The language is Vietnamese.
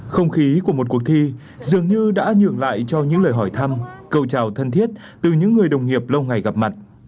không khí của một cuộc thi dường như đã nhường lại cho những lời hỏi thăm câu trào thân thiết từ những người đồng nghiệp lâu ngày gặp mặt